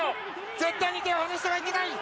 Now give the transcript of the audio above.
絶対に手を離してはいけない。